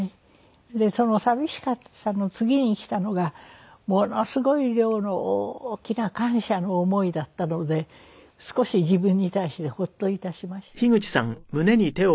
その寂しさの次にきたのがものすごい量の大きな感謝の思いだったので少し自分に対してホッといたしましたけれど。